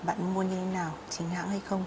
bạn mua như thế nào chính hãng hay không